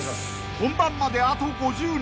［本番まであと５０日］